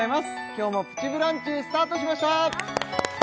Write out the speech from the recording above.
今日も「プチブランチ」スタートしました！